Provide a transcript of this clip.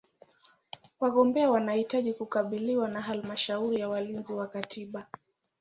Wagombea wanahitaji kukubaliwa na Halmashauri ya Walinzi wa Katiba.